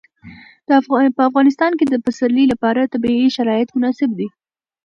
په افغانستان کې د پسرلی لپاره طبیعي شرایط مناسب دي.